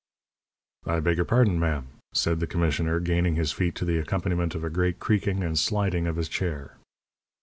"I beg your pardon, ma'am," said the commissioner, gaining his feet to the accompaniment of a great creaking and sliding of his chair.